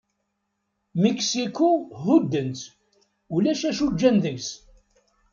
Miksiku, hudden-tt, ulac acu ǧǧan deg-s.